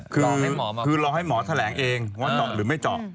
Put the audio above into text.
คือรอให้หมอแถลงเองว่าเจาะหรือไม่เจาะ